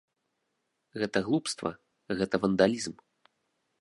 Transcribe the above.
Гэта глупства, гэта вандалізм.